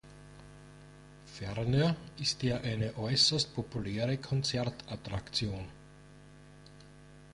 Ferner ist er eine äußerst populäre Konzert-Attraktion.